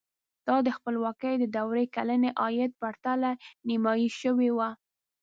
دا د خپلواکۍ د دورې کلني عاید په پرتله نیمايي شوی و.